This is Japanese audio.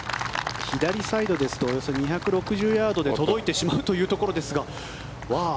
左サイドですとおよそ２６０ヤードで届いてしまうというところですが。